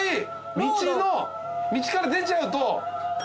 道から出ちゃうと。